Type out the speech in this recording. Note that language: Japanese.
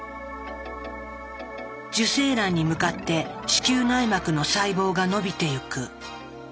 受精卵に向かって子宮内膜の細胞が伸びていく。